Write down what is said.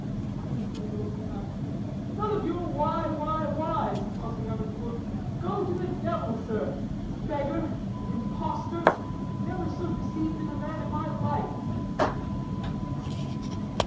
painfully looking up. "None of your why, why, whys!" tossing out a foot, "go to the devil, sir! Beggar, impostor! never so deceived in a man in my life."